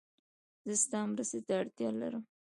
زه ستا مرسته ته اړتیا لرم.